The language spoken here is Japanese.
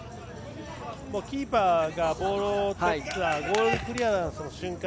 キーパーがボールをとったゴールクリアランスの瞬間